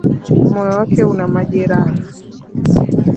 Moyo wake una majeraha